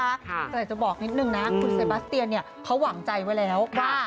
แต่จะบอกนิดนึงนะคุณเซบาสเตียนเนี่ยเขาหวังใจไว้แล้วว่า